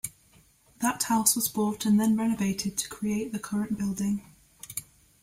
That house was bought and then renovated to create the current building.